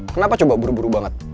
kenapa coba buru buru banget